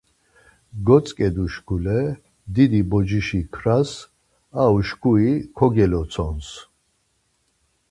Gotzǩedu şkule didi boçişi kras ar uşkuri kogelotsons.